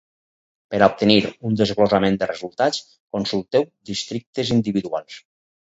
Per obtenir un desglossament de resultats, consulteu districtes individuals.